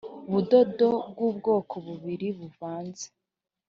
budodo bw ubwoko bubiri buvanze